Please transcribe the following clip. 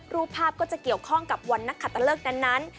รูปภาพก็จะเกี่ยวข้องกับวันนักขัตตะเลิกนั้น